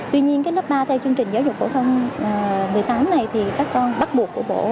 tuy nhiên cái lớp ba theo chương trình giáo dục phổ thông một mươi tám này thì các con bắt buộc của bộ